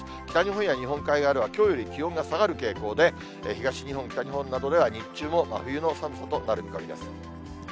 北日本や日本海側では、きょうより気温が下がる傾向で、東日本、北日本などでは、日中も真冬の寒さとなる見込みです。